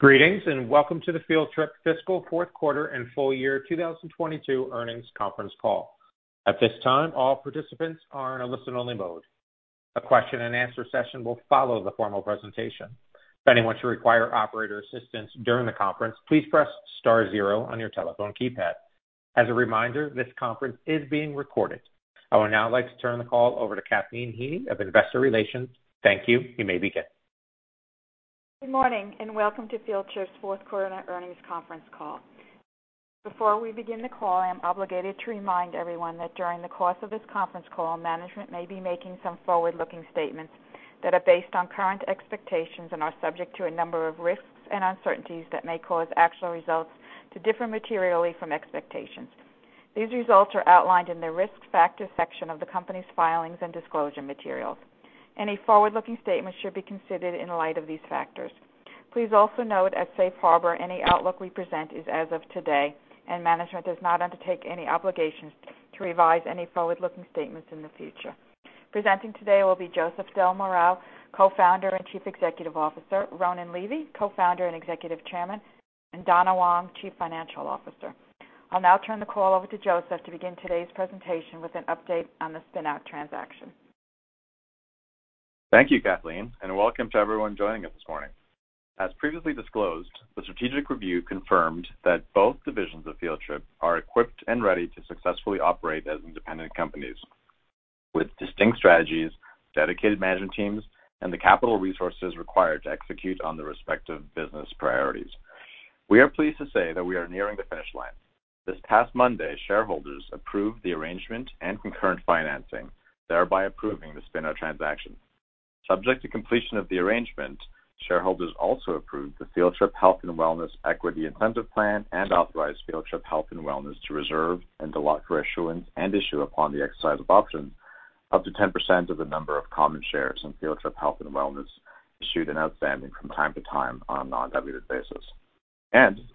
Greetings, and welcome to the Field Trip fiscal fourth quarter and full year 2022 earnings conference call. At this time, all participants are in a listen-only mode. A question and answer session will follow the formal presentation. If anyone should require operator assistance during the conference, please press star zero on your telephone keypad. As a reminder, this conference is being recorded. I would now like to turn the call over to Kathleen Heaney of Investor Relations. Thank you. You may begin. Good morning, and welcome to Field Trip's fourth quarter and earnings conference call. Before we begin the call, I am obligated to remind everyone that during the course of this conference call, management may be making some forward-looking statements that are based on current expectations and are subject to a number of risks and uncertainties that may cause actual results to differ materially from expectations. These results are outlined in the Risk Factors section of the company's filings and disclosure materials. Any forward-looking statements should be considered in light of these factors. Please also note that safe harbor, any outlook we present is as of today, and management does not undertake any obligations to revise any forward-looking statements in the future. Presenting today will be Joseph del Moral, Co-founder and Chief Executive Officer, Ronan Levy, Co-founder and Executive Chairman, and Donna Wong, Chief Financial Officer. I'll now turn the call over to Joseph to begin today's presentation with an update on the spin-out transaction. Thank you, Kathleen, and welcome to everyone joining us this morning. As previously disclosed, the strategic review confirmed that both divisions of Field Trip are equipped and ready to successfully operate as independent companies with distinct strategies, dedicated management teams, and the capital resources required to execute on the respective business priorities. We are pleased to say that we are nearing the finish line. This past Monday, shareholders approved the arrangement and concurrent financing, thereby approving the spin-out transaction. Subject to completion of the arrangement, shareholders also approved the Field Trip Health & Wellness equity incentive plan and authorized Field Trip Health & Wellness to reserve and allot for issuance and issue upon the exercise of options up to 10% of the number of common shares in Field Trip Health & Wellness issued and outstanding from time to time on a non-diluted basis.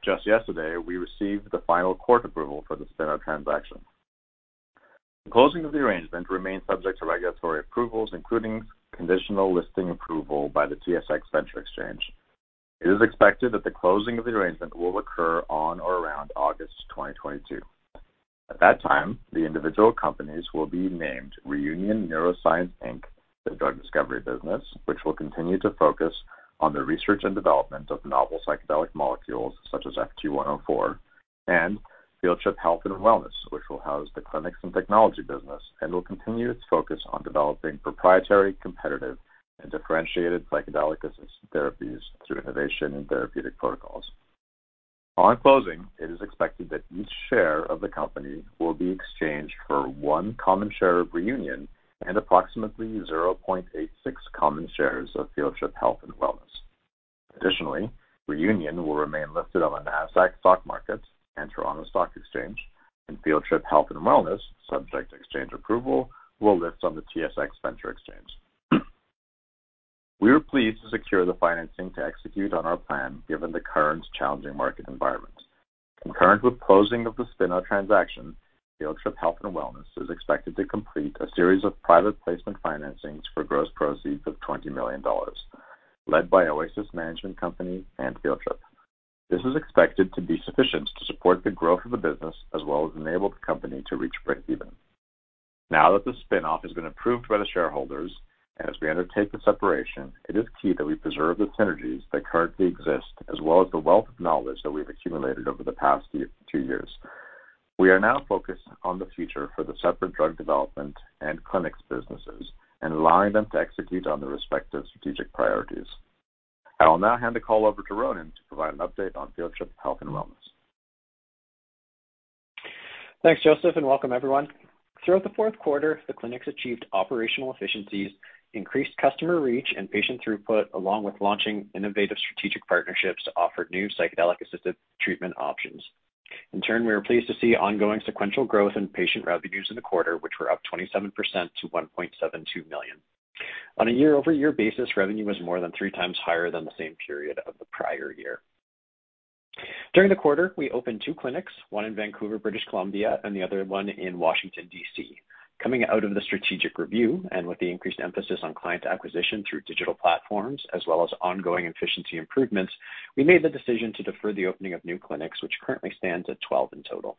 Just yesterday, we received the final court approval for the spin-out transaction. The closing of the arrangement remains subject to regulatory approvals, including conditional listing approval by the TSX Venture Exchange. It is expected that the closing of the arrangement will occur on or around August 2022. At that time, the individual companies will be named Reunion Neuroscience Inc. for drug discovery business, which will continue to focus on the research and development of novel psychedelic molecules such as FT-104, and Field Trip Health & Wellness, which will house the clinics and technology business and will continue its focus on developing proprietary, competitive, and differentiated psychedelic-assisted therapies through innovation in therapeutic protocols. On closing, it is expected that each share of the company will be exchanged for one common share of Reunion and approximately 0.86 common shares of Field Trip Health & Wellness. Additionally, Reunion will remain listed on the Nasdaq Stock Market and Toronto Stock Exchange, and Field Trip Health & Wellness, subject to exchange approval, will list on the TSX Venture Exchange. We were pleased to secure the financing to execute on our plan given the current challenging market environment. Concurrent with closing of the spin-out transaction, Field Trip Health & Wellness is expected to complete a series of private placement financings for gross proceeds of 20 million dollars, led by Oasis Management Company and Field Trip. This is expected to be sufficient to support the growth of the business as well as enable the company to reach breakeven. Now that the spin-off has been approved by the shareholders and as we undertake the separation, it is key that we preserve the synergies that currently exist as well as the wealth of knowledge that we've accumulated over the past two years. We are now focused on the future for the separate drug development and clinics businesses and allowing them to execute on their respective strategic priorities. I will now hand the call over to Ronan to provide an update on Field Trip Health & Wellness. Thanks, Joseph, and welcome everyone. Throughout the fourth quarter, the clinics achieved operational efficiencies, increased customer reach and patient throughput, along with launching innovative strategic partnerships to offer new psychedelic-assisted treatment options. In turn, we were pleased to see ongoing sequential growth in patient revenues in the quarter, which were up 27% to 1.72 million. On a year-over-year basis, revenue was more than three times higher than the same period of the prior year. During the quarter, we opened two clinics, one in Vancouver, British Columbia, and the other one in Washington, D.C. Coming out of the strategic review and with the increased emphasis on client acquisition through digital platforms as well as ongoing efficiency improvements, we made the decision to defer the opening of new clinics, which currently stands at 12 in total.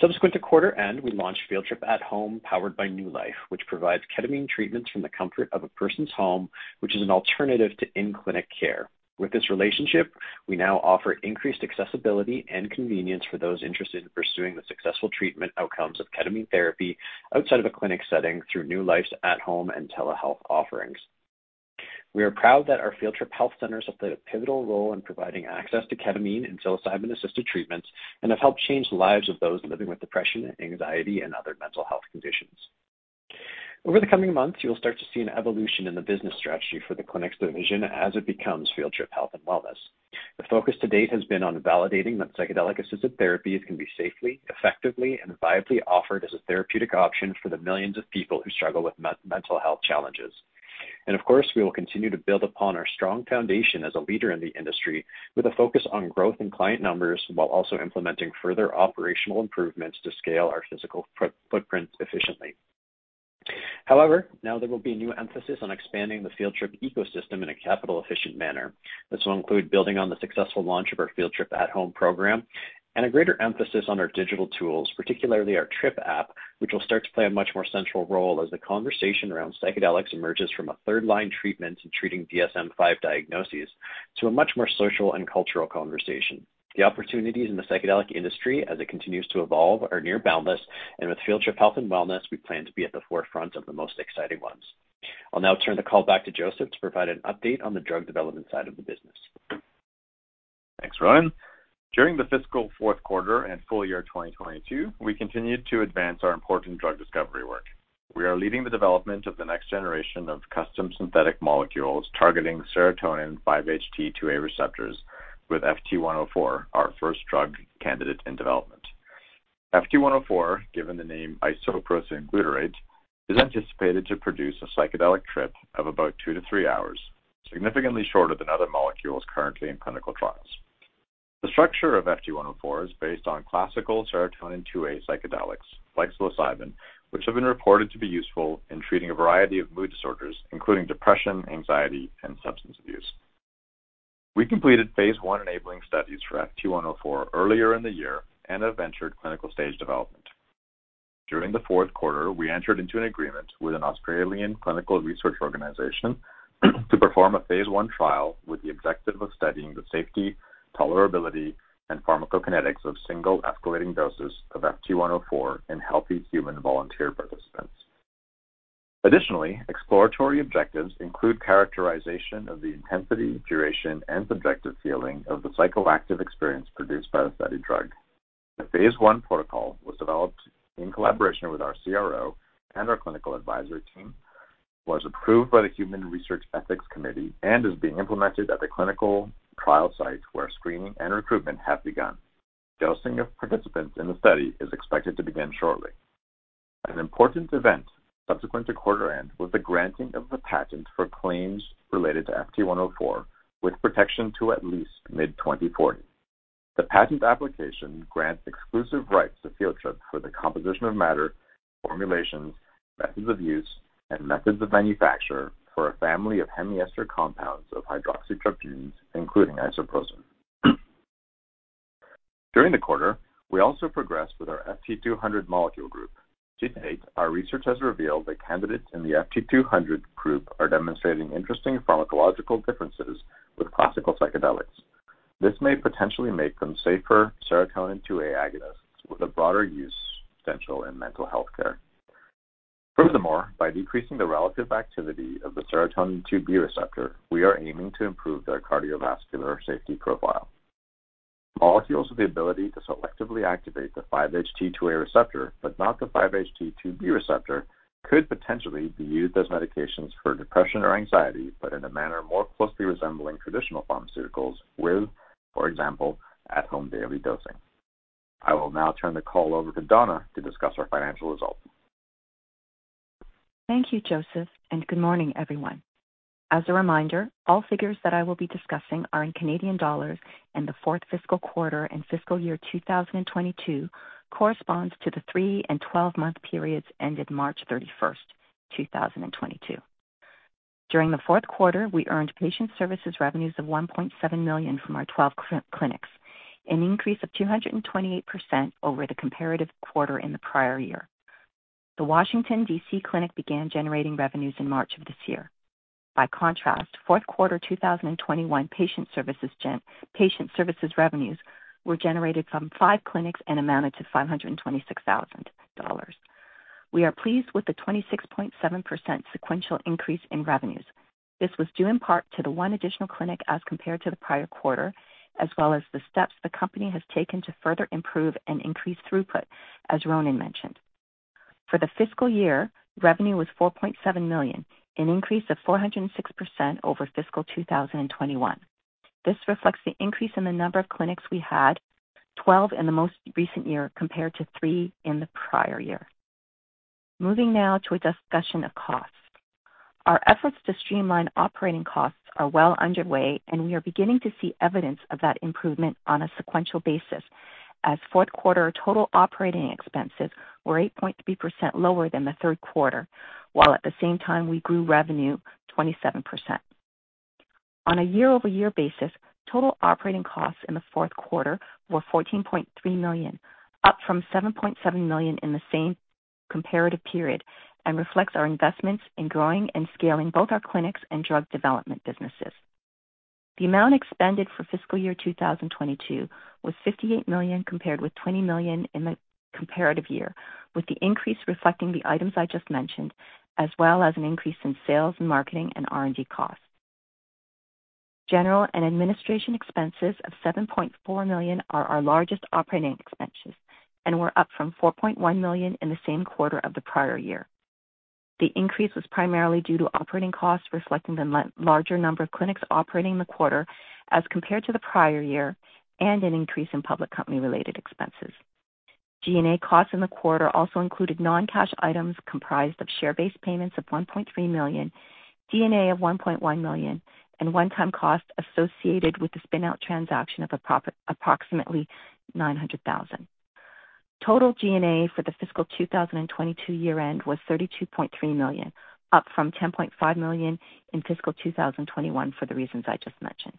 Subsequent to quarter end, we launched Field Trip at Home powered by Nue Life, which provides ketamine treatments from the comfort of a person's home, which is an alternative to in-clinic care. With this relationship, we now offer increased accessibility and convenience for those interested in pursuing the successful treatment outcomes of ketamine therapy outside of a clinic setting through Nue Life's at-home and telehealth offerings. We are proud that our Field Trip Health centers have played a pivotal role in providing access to ketamine and psilocybin-assisted treatments and have helped change the lives of those living with depression, anxiety, and other mental health conditions. Over the coming months, you will start to see an evolution in the business strategy for the clinics division as it becomes Field Trip Health & Wellness. The focus to date has been on validating that psychedelic-assisted therapies can be safely, effectively, and viably offered as a therapeutic option for the millions of people who struggle with mental health challenges. Of course, we will continue to build upon our strong foundation as a leader in the industry with a focus on growth in client numbers while also implementing further operational improvements to scale our physical footprint efficiently. However, now there will be new emphasis on expanding the Field Trip ecosystem in a capital efficient manner. This will include building on the successful launch of our Field Trip at Home program and a greater emphasis on our digital tools, particularly our Trip app, which will start to play a much more central role as the conversation around psychedelics emerges from a third line treatment in treating DSM-5 diagnoses to a much more social and cultural conversation. The opportunities in the psychedelic industry as it continues to evolve are near boundless. With Field Trip Health & Wellness, we plan to be at the forefront of the most exciting ones. I'll now turn the call back to Joseph to provide an update on the drug development side of the business. Thanks, Ronan. During the fiscal fourth quarter and full year 2022, we continued to advance our important drug discovery work. We are leading the development of the next generation of custom synthetic molecules targeting serotonin 5-HT2A receptors with FT-104, our first drug candidate in development. FT-104, given the name Isoprocin Glutarate, is anticipated to produce a psychedelic trip of about two-three hours, significantly shorter than other molecules currently in clinical trials. The structure of FT-104 is based on classical serotonin 2A psychedelics like psilocybin, which have been reported to be useful in treating a variety of mood disorders, including depression, anxiety, and substance abuse. We completed phase I enabling studies for FT-104 earlier in the year and have entered clinical stage development. During the fourth quarter, we entered into an agreement with an Australian clinical research organization to perform a phase I trial with the objective of studying the safety, tolerability, and pharmacokinetics of single escalating doses of FT-104 in healthy human volunteer participants. Additionally, exploratory objectives include characterization of the intensity, duration, and subjective feeling of the psychoactive experience produced by the study drug. The phase I protocol was developed in collaboration with our CRO and our clinical advisory team, was approved by the Human Research Ethics Committee, and is being implemented at the clinical trial site where screening and recruitment have begun. Dosing of participants in the study is expected to begin shortly. An important event subsequent to quarter end was the granting of the patent for claims related to FT-104, with protection to at least mid-2040. The patent application grants exclusive rights to Field Trip for the composition of matter formulations, methods of use, and methods of manufacture for a family of hemiester compounds of hydroxytryptamine, including isoprocin. During the quarter, we also progressed with our FT-200 molecule group. To date, our research has revealed that candidates in the FT-200 group are demonstrating interesting pharmacological differences with classical psychedelics. This may potentially make them safer serotonin 2A agonists with a broader use potential in mental health care. Furthermore, by decreasing the relative activity of the serotonin 2B receptor, we are aiming to improve their cardiovascular safety profile. Molecules with the ability to selectively activate the 5-HT2A receptor, but not the 5-HT2B receptor, could potentially be used as medications for depression or anxiety, but in a manner more closely resembling traditional pharmaceuticals with, for example, at-home daily dosing. I will now turn the call over to Donna to discuss our financial results. Thank you, Joseph, and good morning everyone. As a reminder, all figures that I will be discussing are in Canadian dollars, and the fourth fiscal quarter and fiscal year 2022 corresponds to the three and 12-month periods ended March 31st, 2022. During the fourth quarter, we earned patient services revenues of 1.7 million from our 12 clinics, an increase of 228% over the comparative quarter in the prior year. The Washington, D.C. clinic began generating revenues in March of this year. By contrast, fourth quarter 2021 patient services revenues were generated from five clinics and amounted to 526,000 dollars. We are pleased with the 26.7% sequential increase in revenues. This was due in part to the one additional clinic as compared to the prior quarter, as well as the steps the company has taken to further improve and increase throughput, as Ronan mentioned. For the fiscal year, revenue was 4.7 million, an increase of 406% over fiscal 2021. This reflects the increase in the number of clinics we had, 12 in the most recent year compared to three in the prior year. Moving now to a discussion of cost. Our efforts to streamline operating costs are well underway, and we are beginning to see evidence of that improvement on a sequential basis as fourth quarter total operating expenses were 8.3% lower than the third quarter, while at the same time we grew revenue 27%. On a year-over-year basis, total operating costs in the fourth quarter were 14.3 million, up from 7.7 million in the same comparative period, and reflects our investments in growing and scaling both our clinics and drug development businesses. The amount expended for fiscal year 2022 was 58 million, compared with 20 million in the comparative year, with the increase reflecting the items I just mentioned, as well as an increase in sales and marketing and R&D costs. General and administrative expenses of 7.4 million are our largest operating expenses and were up from 4.1 million in the same quarter of the prior year. The increase was primarily due to operating costs, reflecting the much larger number of clinics operating in the quarter as compared to the prior year, and an increase in public company related expenses. G&A costs in the quarter also included non-cash items comprised of share-based payments of 1.3 million, D&A of 1.1 million, and one-time costs associated with the spin-out transaction of approximately 900,000. Total G&A for the fiscal 2022 year end was 32.3 million, up from 10.5 million in fiscal 2021 for the reasons I just mentioned.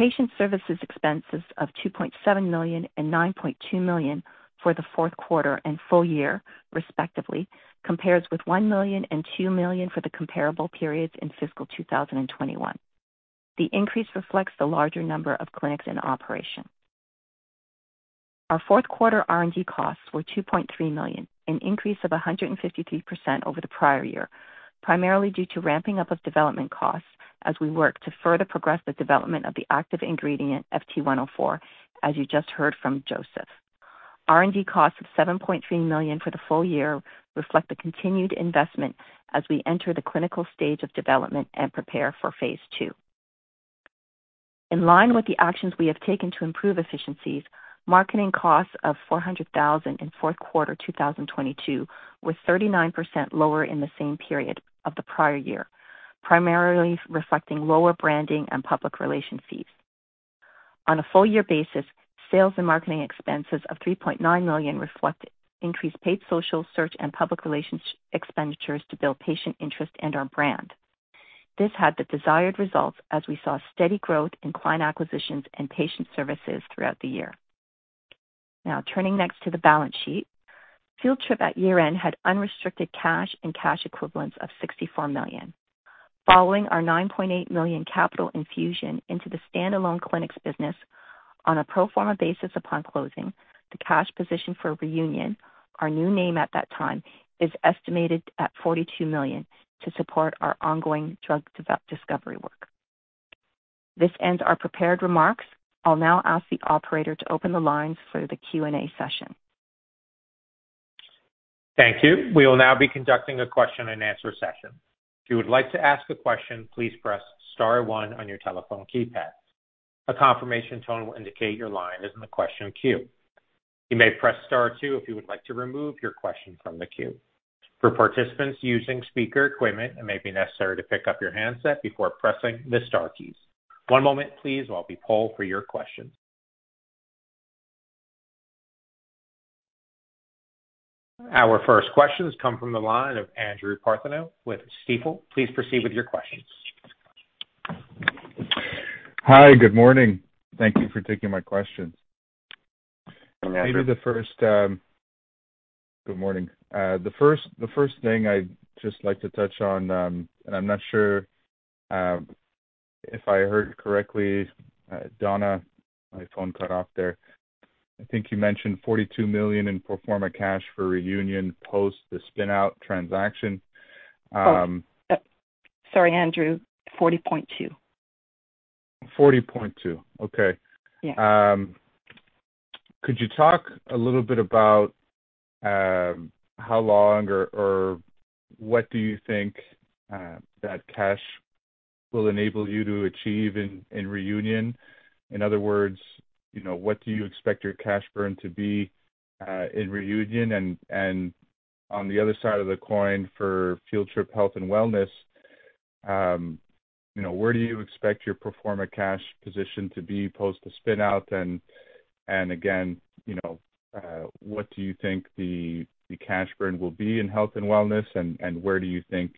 Patient services expenses of 2.7 million and 9.2 million for the fourth quarter and full year respectively compares with 1 million and 2 million for the comparable periods in fiscal 2021. The increase reflects the larger number of clinics in operation. Our fourth quarter R&D costs were 2.3 million, an increase of 153% over the prior year, primarily due to ramping up of development costs as we work to further progress the development of the active ingredient FT-104, as you just heard from Joseph. R&D costs of 7.3 million for the full year reflect the continued investment as we enter the clinical stage of development and prepare for phase II. In line with the actions we have taken to improve efficiencies, marketing costs of 400,000 in fourth quarter 2022 were 39% lower in the same period of the prior year, primarily reflecting lower branding and public relations fees. On a full year basis, sales and marketing expenses of 3.9 million reflect increased paid social search and public relations expenditures to build patient interest and our brand. This had the desired results as we saw steady growth in client acquisitions and patient services throughout the year. Now turning next to the balance sheet. Field Trip at year-end had unrestricted cash and cash equivalents of 64 million. Following our 9.8 million capital infusion into the standalone clinics business on a pro forma basis upon closing, the cash position for Reunion, our new name at that time, is estimated at 42 million to support our ongoing drug discovery work. This ends our prepared remarks. I'll now ask the operator to open the lines for the Q&A session. Thank you. We will now be conducting a question-and-answer session. If you would like to ask a question, please press star one on your telephone keypad. A confirmation tone will indicate your line is in the question queue. You may press star two if you would like to remove your question from the queue. For participants using speaker equipment, it may be necessary to pick up your handset before pressing the star keys. One moment please, while we poll for your questions. Our first question has come from the line of Andrew Partheniou with Stifel. Please proceed with your questions. Hi, good morning. Thank you for taking my questions. Hi, Andrew. Good morning. The first thing I'd just like to touch on, and I'm not sure if I heard correctly, Donna, my phone cut off there. I think you mentioned 42 million in pro forma cash for Reunion post the spin-out transaction. Oh, yep. Sorry, Andrew. 40.2 million. 40.2 million. Okay. Yes. Could you talk a little bit about how long or what do you think that cash will enable you to achieve in Reunion? In other words, you know, what do you expect your cash burn to be in Reunion? On the other side of the coin, for Field Trip Health & Wellness, you know, where do you expect your pro forma cash position to be post the spin out? Again, you know, what do you think the cash burn will be in Health and Wellness and where do you think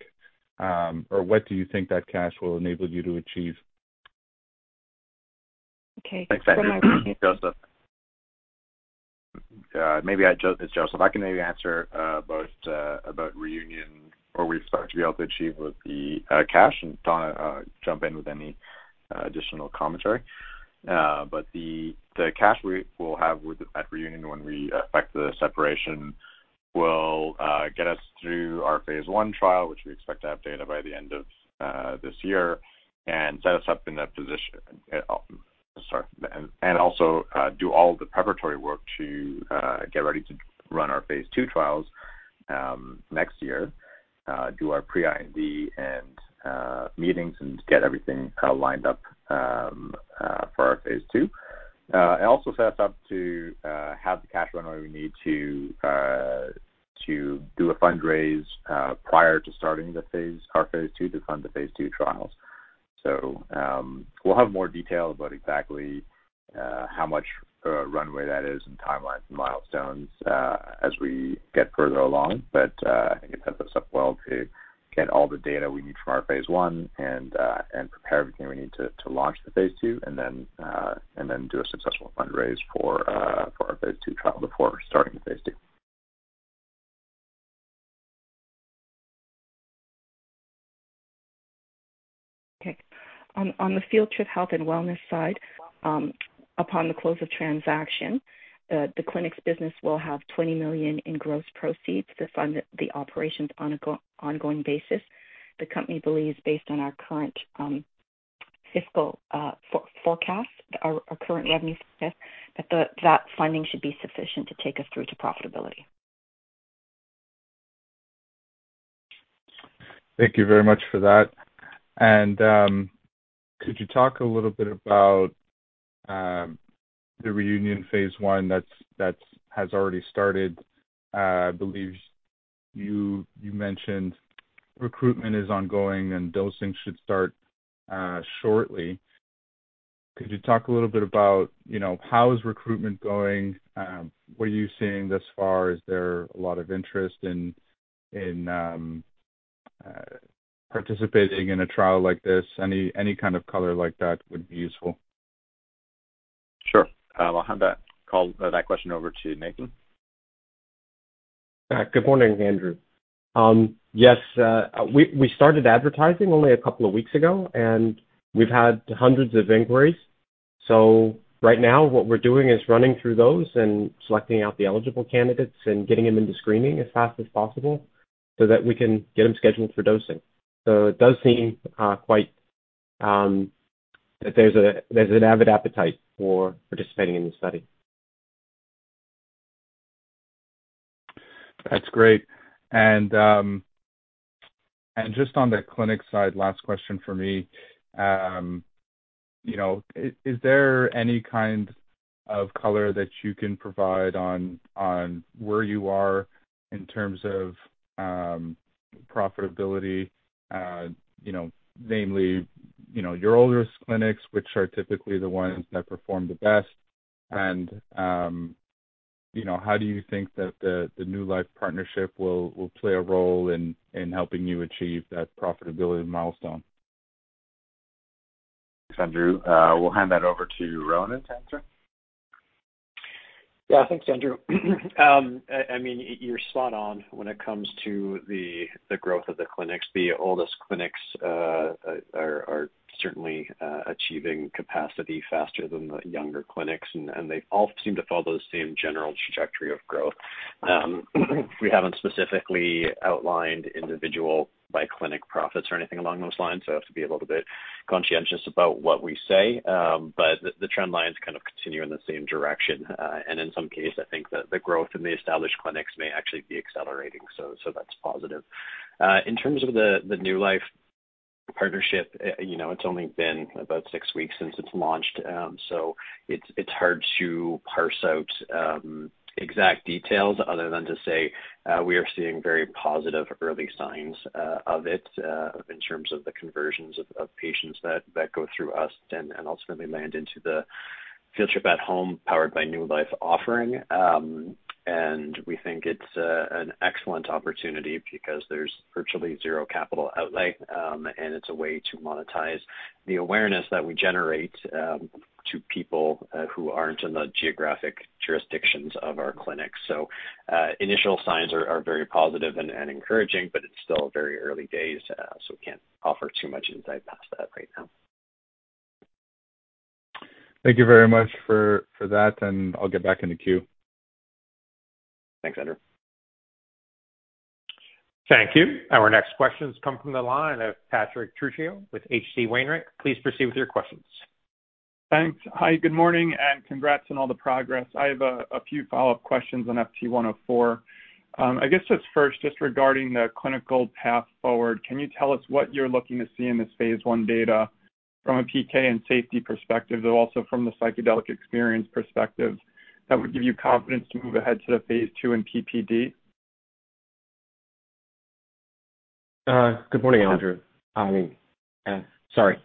or what do you think that cash will enable you to achieve? Okay. Thanks, Andrew. Joseph. I can maybe answer both about Reunion or we expect to be able to achieve with the cash and Donna jump in with any additional commentary. The cash we will have at Reunion when we effect the separation will get us through our phase I trial, which we expect to have data by the end of this year and set us up in that position. Sorry. Also do all the preparatory work to get ready to run our phase II trials next year. Do our pre-IND and meetings and get everything lined up for our phase II. It also set us up to have the cash runway we need to do a fundraise prior to starting our phase II to fund the phase II trials. We'll have more detail about exactly how much runway that is and timelines and milestones as we get further along. I think it sets us up well to get all the data we need from our phase I and prepare everything we need to launch the phase II and then do a successful fundraise for our phase II trial before starting the phase II. Okay. On the Field Trip Health & Wellness side, upon the close of transaction, the clinics business will have 20 million in gross proceeds to fund the operations on an ongoing basis. The company believes, based on our current fiscal forecast, our current revenue forecast, that the funding should be sufficient to take us through to profitability. Thank you very much for that. Could you talk a little bit about the Reunion phase I that's has already started, I believe you mentioned recruitment is ongoing and dosing should start shortly. Could you talk a little bit about, you know, how is recruitment going? What are you seeing thus far? Is there a lot of interest in participating in a trial like this? Any kind of color like that would be useful. Sure. I'll hand that question over to Nathan. Good morning, Andrew. Yes, we started advertising only a couple of weeks ago, and we've had hundreds of inquiries. Right now what we're doing is running through those and selecting out the eligible candidates and getting them into screening as fast as possible so that we can get them scheduled for dosing. It does seem quite that there's an avid appetite for participating in this study. That's great. Just on the clinic side, last question for me. You know, is there any kind of color that you can provide on where you are in terms of profitability? You know, namely, you know, your oldest clinics, which are typically the ones that perform the best. You know, how do you think that the Nue Life partnership will play a role in helping you achieve that profitability milestone? Thanks, Andrew. We'll hand that over to Ronan to answer. Yeah. Thanks, Andrew. I mean, you're spot on when it comes to the growth of the clinics. The oldest clinics are certainly achieving capacity faster than the younger clinics, and they all seem to follow the same general trajectory of growth. We haven't specifically outlined individual by clinic profits or anything along those lines, so I have to be a little bit conscientious about what we say. The trend lines kind of continue in the same direction. In some case, I think the growth in the established clinics may actually be accelerating. That's positive. In terms of the Nue Life partnership, you know, it's only been about six weeks since it's launched. It's hard to parse out exact details other than to say we are seeing very positive early signs of it in terms of the conversions of patients that go through us and ultimately land into the Field Trip at Home powered by Nue Life offering. We think it's an excellent opportunity because there's virtually zero capital outlay and it's a way to monetize the awareness that we generate to people who aren't in the geographic jurisdictions of our clinics. Initial signs are very positive and encouraging, but it's still very early days so we can't offer too much insight past that right now. Thank you very much for that, and I'll get back in the queue. Thanks, Andrew. Thank you. Our next question comes from the line of Patrick Trucchio with H.C. Wainwright. Please proceed with your questions. Thanks. Hi. Good morning, and congrats on all the progress. I have a few follow-up questions on FT-104. I guess just first, regarding the clinical path forward, can you tell us what you're looking to see in this phase I data from a PK and safety perspective, though also from the psychedelic experience perspective that would give you confidence to move ahead to the phase II and PPD? Good morning, Andrew. I mean, sorry,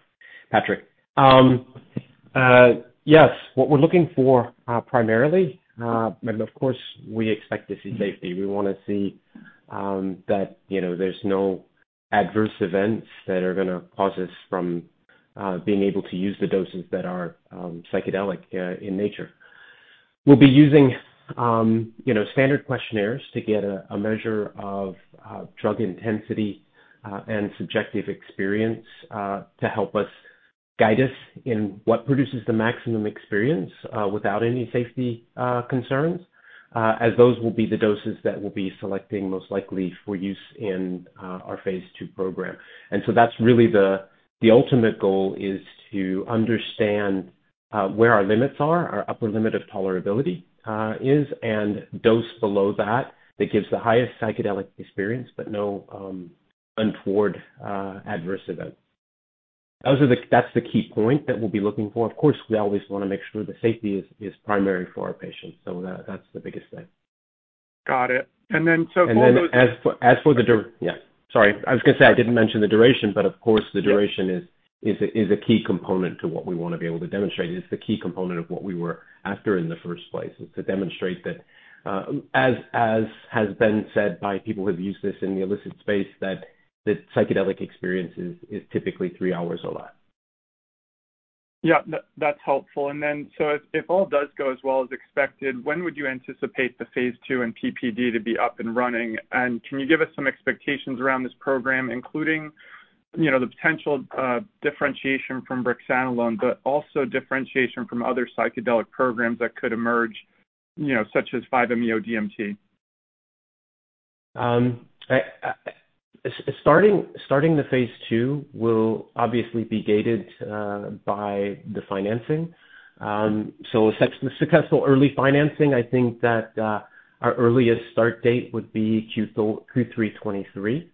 Patrick. Yes. What we're looking for, primarily, and of course we expect to see safety. We wanna see that, you know, there's no adverse events that are gonna cause us from being able to use the doses that are psychedelic in nature. We'll be using, you know, standard questionnaires to get a measure of drug intensity and subjective experience to help us guide us in what produces the maximum experience without any safety concerns as those will be the doses that we'll be selecting most likely for use in our phase II program. That's really the ultimate goal is to understand where our limits are, our upper limit of tolerability is, and dose below that that gives the highest psychedelic experience but no untoward adverse event. That's the key point that we'll be looking for. Of course, we always wanna make sure the safety is primary for our patients, so that's the biggest thing. Got it. For those- As for the duration. Yeah, sorry. I was gonna say I didn't mention the duration, but of course the duration is a key component to what we want to be able to demonstrate. It's the key component of what we were after in the first place, is to demonstrate that, as has been said by people who've used this in the illicit space, that the psychedelic experience is typically three hours or less. Yeah. That's helpful. If all does go as well as expected, when would you anticipate the phase II and PPD to be up and running? Can you give us some expectations around this program, including, you know, the potential differentiation from brexanolone, but also differentiation from other psychedelic programs that could emerge, you know, such as 5-MeO-DMT? Starting the phase II will obviously be gated by the financing. Successful early financing, I think that our earliest start date would be Q3 2023.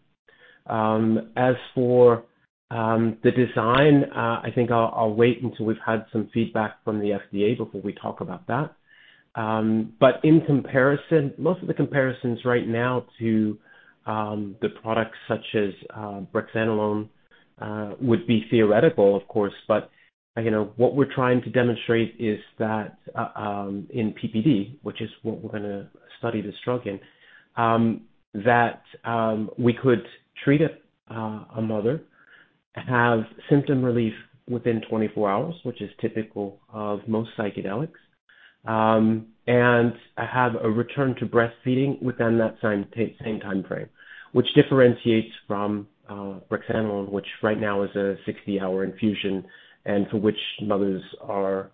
As for the design, I think I'll wait until we've had some feedback from the FDA before we talk about that. In comparison, most of the comparisons right now to the products such as brexanolone would be theoretical of course, you know, what we're trying to demonstrate is that in PPD, which is what we're gonna study this drug in, that we could treat a mother, have symptom relief within 24 hours, which is typical of most psychedelics, and have a return to breastfeeding within that same time frame, which differentiates from brexanolone, which right now is a 60-hour infusion, and for which mothers are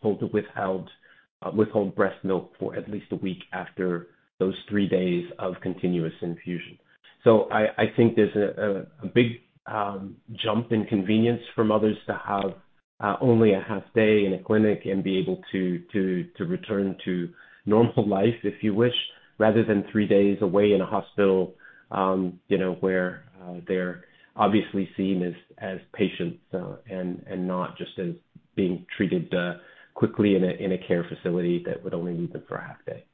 told to withhold breast milk for at least a week after those three days of continuous infusion. I think there's a big jump in convenience for mothers to have only a half day in a clinic and be able to return to normal life, if you wish, rather than three days away in a hospital, you know, where they're obviously seen as patients and not just as being treated quickly in a care facility that would only need them for a half day.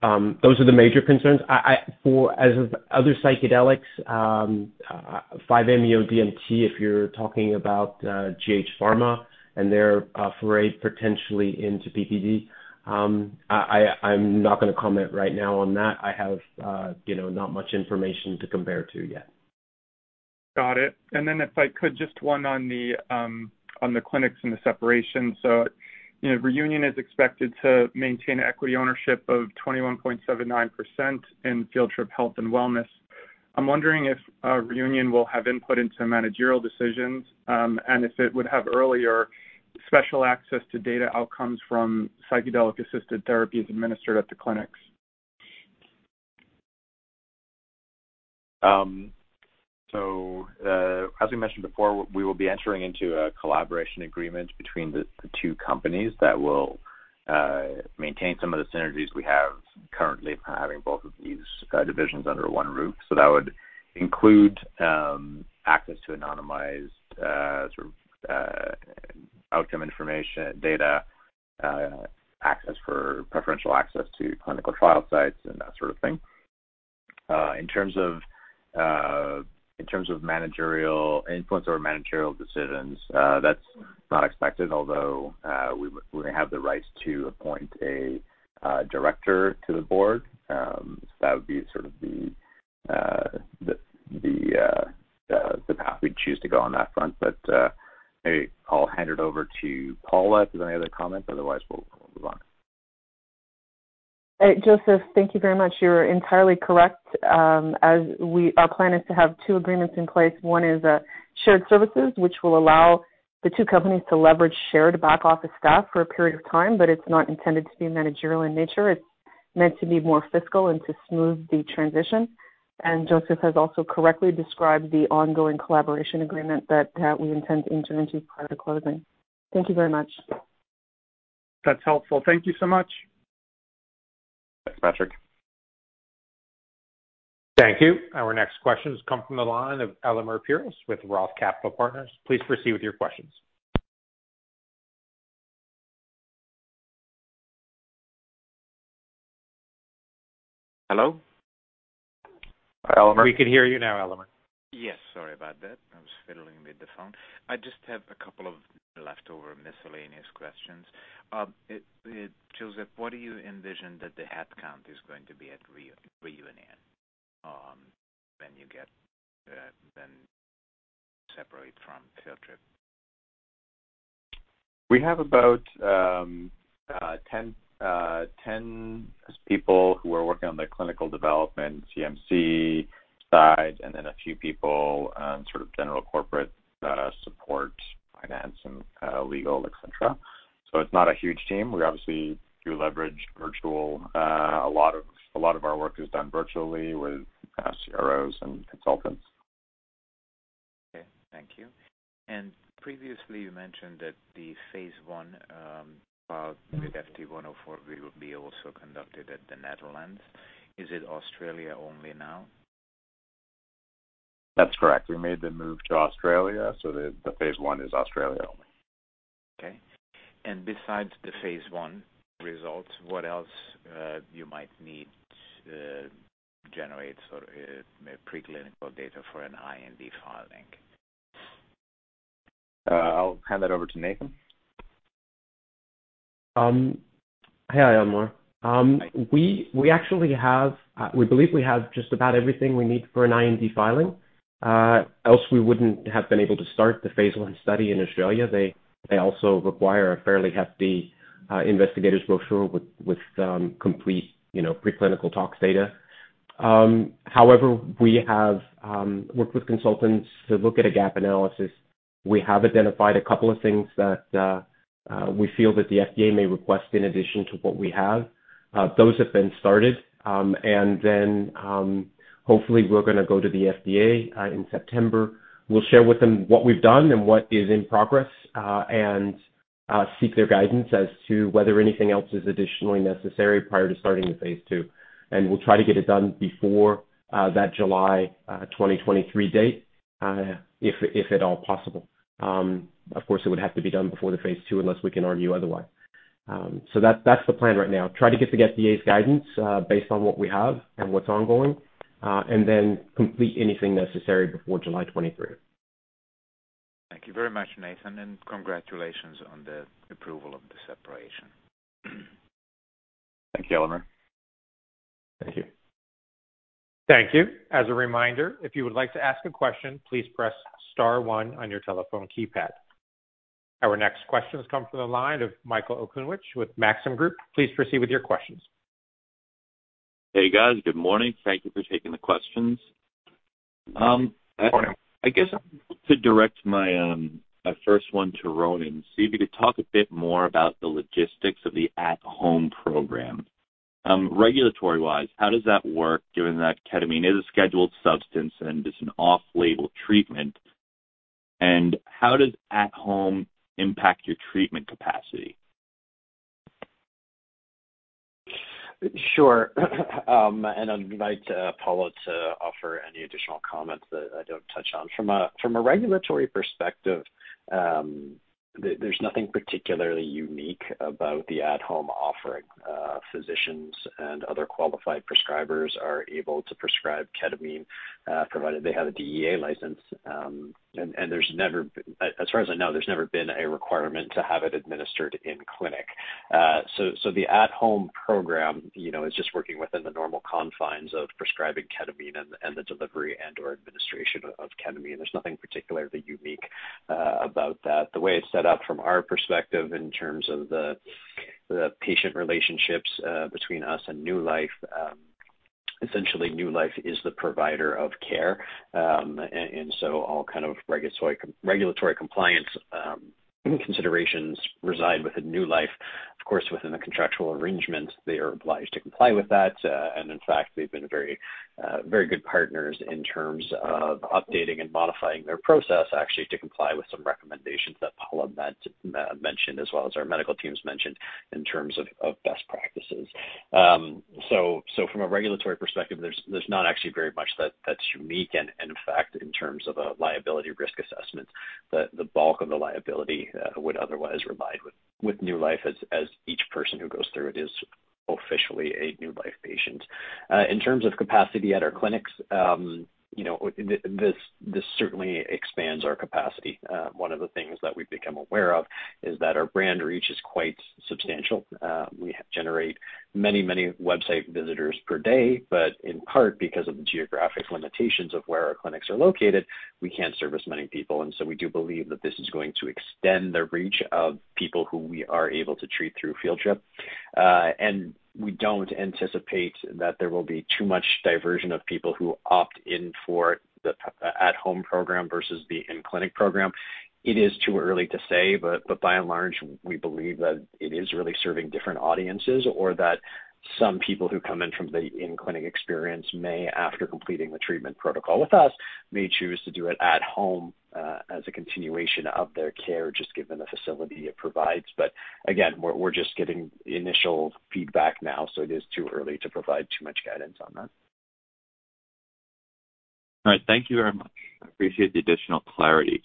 Those are the major concerns. As for other psychedelics, 5-MeO-DMT, if you're talking about GH Research and their foray potentially into PPD, I'm not gonna comment right now on that. I have, you know, not much information to compare to yet. Got it. If I could, just one on the clinics and the separation. You know, Reunion is expected to maintain equity ownership of 21.79% in Field Trip Health & Wellness. I'm wondering if Reunion will have input into managerial decisions, and if it would have earlier special access to data outcomes from psychedelic-assisted therapies administered at the clinics. As we mentioned before, we will be entering into a collaboration agreement between the two companies that will maintain some of the synergies we have currently from having both of these divisions under one roof. That would include access to anonymized sort of outcome information, data, access for preferential access to clinical trial sites and that sort of thing. In terms of managerial influence over managerial decisions, that's not expected, although we may have the rights to appoint a director to the board. That would be sort of the path we'd choose to go on that front. Maybe I'll hand it over to Paula for any other comments. Otherwise, we'll move on. Hey, Joseph. Thank you very much. You're entirely correct. Our plan is to have two agreements in place. One is, shared services, which will allow the two companies to leverage shared back office staff for a period of time, but it's not intended to be managerial in nature. It's meant to be more fiscal and to smooth the transition. Joseph has also correctly described the ongoing collaboration agreement that we intend to enter into prior to closing. Thank you very much. That's helpful. Thank you so much. Thanks, Patrick. Thank you. Our next question has come from the line of Elemer Piros with ROTH Capital Partners. Please proceed with your questions. Hello? Elemer. We can hear you now, Elemer. Yes. Sorry about that. I was fiddling with the phone. I just have a couple of leftover miscellaneous questions. Joseph, what do you envision that the headcount is going to be at Reunion, when you get, when separate from Field Trip? We have about 10 people who are working on the clinical development CMC side, and then a few people on sort of general corporate support, finance, and legal, et cetera. It's not a huge team. We obviously do leverage virtual. A lot of our work is done virtually with CROs and consultants. Okay. Thank you. Previously you mentioned that the phase I trial with FT-104 will be also conducted at the Netherlands. Is it Australia only now? That's correct. We made the move to Australia, so the phase I is Australia only. Okay. Besides the phase I results, what else you might need to generate sort of preclinical data for an IND filing? I'll hand that over to Nathan. Hi, Elemer. We actually believe we have just about everything we need for an IND filing. Else we wouldn't have been able to start the phase I study in Australia. They also require a fairly hefty investigator's brochure with complete, you know, preclinical tox data. However, we have worked with consultants to look at a gap analysis. We have identified a couple of things that we feel that the FDA may request in addition to what we have. Those have been started. Then, hopefully we're gonna go to the FDA in September. We'll share with them what we've done and what is in progress, and Seek their guidance as to whether anything else is additionally necessary prior to starting the phase II. We'll try to get it done before that July 2023 date, if at all possible. Of course, it would have to be done before the phase II, unless we can argue otherwise. That's the plan right now. Try to get the FDA's guidance, based on what we have and what's ongoing, and then complete anything necessary before July 2023. Thank you very much, Nathan, and congratulations on the approval of the separation. Thank you, Elemer. Thank you. Thank you. As a reminder, if you would like to ask a question, please press star one on your telephone keypad. Our next question comes from the line of Michael Okunewitch with Maxim Group. Please proceed with your questions. Hey, guys. Good morning. Thank you for taking the questions. Good morning. I guess to direct my first one to Ronan. If you could talk a bit more about the logistics of the at-home program. Regulatory-wise, how does that work given that ketamine is a scheduled substance and it's an off-label treatment, and how does at home impact your treatment capacity? Sure. I'd invite Paula to offer any additional comments that I don't touch on. From a regulatory perspective, there's nothing particularly unique about the at-home offering. Physicians and other qualified prescribers are able to prescribe ketamine, provided they have a DEA license. As far as I know, there's never been a requirement to have it administered in clinic. The at-home program, you know, is just working within the normal confines of prescribing ketamine and the delivery and/or administration of ketamine. There's nothing particularly unique about that. The way it's set up from our perspective in terms of the patient relationships between us and Nue Life. Essentially, Nue Life is the provider of care. All kind of regulatory compliance considerations reside within Nue Life. Of course, within the contractual arrangement, they are obliged to comply with that. In fact, they've been very, very good partners in terms of updating and modifying their process actually to comply with some recommendations that Paula mentioned as well as our medical teams mentioned in terms of best practices. From a regulatory perspective, there's not actually very much that's unique. In fact, in terms of a liability risk assessment, the bulk of the liability would otherwise reside with Nue Life as each person who goes through it is officially a Nue Life patient. In terms of capacity at our clinics, you know, this certainly expands our capacity. One of the things that we've become aware of is that our brand reach is quite substantial. We generate many, many website visitors per day, but in part because of the geographic limitations of where our clinics are located, we can't service many people. We do believe that this is going to extend the reach of people who we are able to treat through Fieldtrip. We don't anticipate that there will be too much diversion of people who opt in for the at home program versus the in-clinic program. It is too early to say, but by and large, we believe that it is really serving different audiences or that some people who come in from the in-clinic experience may, after completing the treatment protocol with us, may choose to do it at home, as a continuation of their care, just given the facility it provides. Again, we're just getting initial feedback now, so it is too early to provide too much guidance on that. All right. Thank you very much. I appreciate the additional clarity.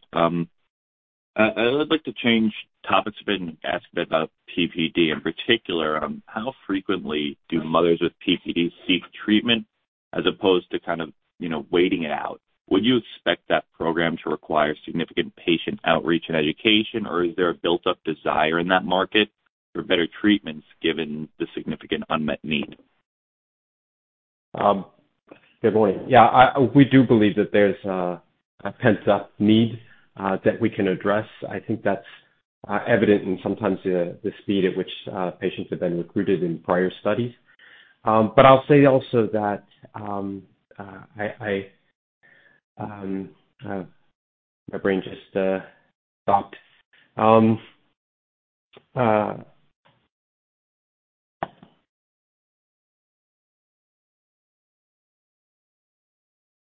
I would like to change topics a bit and ask about PPD in particular. How frequently do mothers with PPD seek treatment as opposed to kind of, you know, waiting it out? Would you expect that program to require significant patient outreach and education, or is there a built-up desire in that market for better treatments given the significant unmet need? Good point. Yeah, we do believe that there's a pent-up need that we can address. I think that's evident in sometimes the speed at which patients have been recruited in prior studies. I'll say also that. My brain just stopped.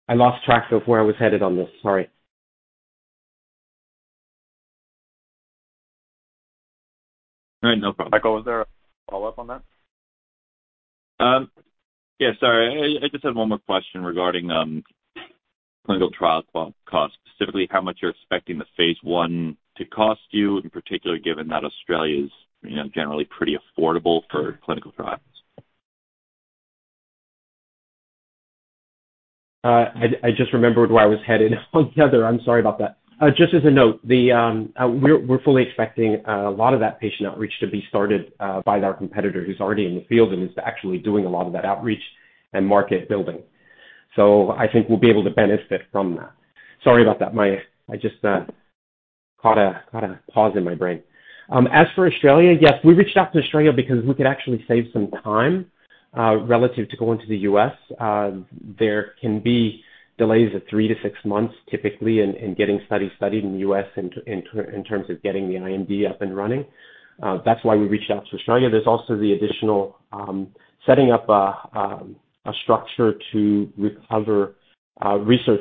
I lost track of where I was headed on this. Sorry. All right. No problem. Michael, was there a follow-up on that? Yeah. Sorry. I just have one more question regarding clinical trial cost, specifically how much you're expecting the phase I to cost you, in particular, given that Australia is, you know, generally pretty affordable for clinical trials. I just remembered where I was headed on the other. I'm sorry about that. Just as a note, we're fully expecting a lot of that patient outreach to be started by our competitor who's already in the field and is actually doing a lot of that outreach and market building. I think we'll be able to benefit from that. Sorry about that. I just caught a pause in my brain. As for Australia, yes, we reached out to Australia because we could actually save some time relative to going to the U.S. There can be delays of three-six months, typically, in getting studies started in the U.S. in terms of getting the IND up and running. That's why we reached out to Australia. There's also the additional setting up a structure to recover R&D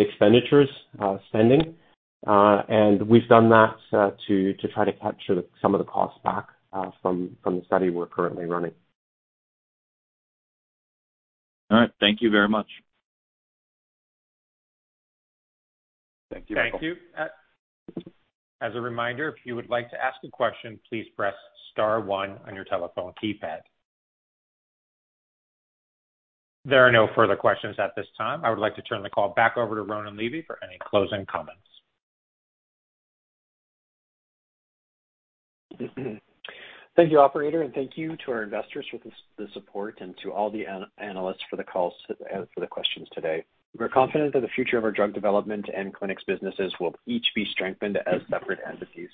expenditures. We've done that to try to capture some of the costs back from the study we're currently running. All right. Thank you very much. Thank you. Thank you. As a reminder, if you would like to ask a question, please press star one on your telephone keypad. There are no further questions at this time. I would like to turn the call back over to Ronan Levy for any closing comments. Thank you, operator, and thank you to our investors for the support and to all the analysts for the calls, for the questions today. We're confident that the future of our drug development and clinics businesses will each be strengthened as separate entities.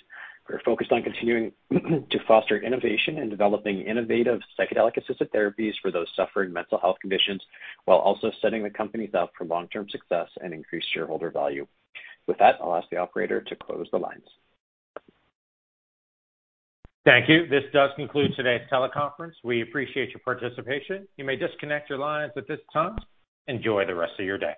We're focused on continuing to foster innovation and developing innovative psychedelic-assisted therapies for those suffering mental health conditions while also setting the companies up for long-term success and increased shareholder value. With that, I'll ask the operator to close the lines. Thank you. This does conclude today's teleconference. We appreciate your participation. You may disconnect your lines at this time. Enjoy the rest of your day.